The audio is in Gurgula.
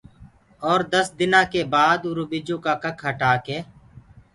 اور دس دنآ ڪي بآد اُرو ٻجو ڪآ ڪک هٽآ ڪي